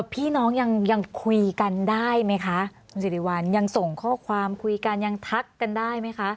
พี่น้องยังคุยกันได้ไหมคะคุณสิริวัลยังส่งข้อความคุยกันยังทักกันได้ไหมคะ